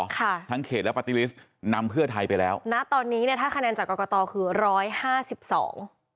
ค่ะทั้งเขตและปาร์ตี้ลิสต์นำเพื่อไทยไปแล้วนะตอนนี้เนี้ยถ้าคะแนนจากกรกตคือร้อยห้าสิบสอง